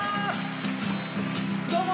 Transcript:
どうも！